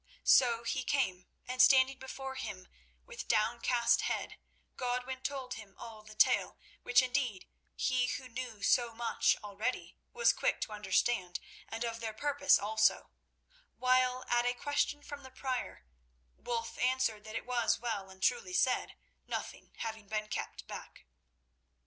So he came, and, standing before him with downcast head, Godwin told him all the tale, which, indeed, he who knew so much already, was quick to understand, and of their purpose also; while at a question from the prior, Wulf answered that it was well and truly said, nothing having been kept back.